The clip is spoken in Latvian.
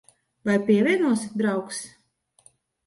Vai pievienosi, draugs?